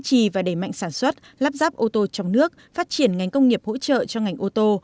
duy trì và đẩy mạnh sản xuất lắp ráp ô tô trong nước phát triển ngành công nghiệp hỗ trợ cho ngành ô tô